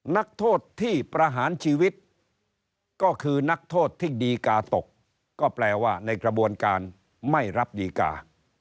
นักโทษที่ประหารชีวิตก็คือนักโทษที่ดีกาตกก็แปลว่าในกระบวนการไม่รับดีกา